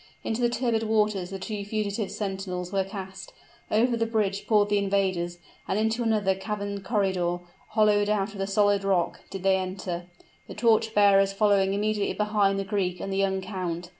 Into the turbid waters the two fugitive sentinels were cast: over the bridge poured the invaders, and into another caverned corridor, hollowed out of the solid rock, did they enter, the torch bearers following immediately behind the Greek and the young count.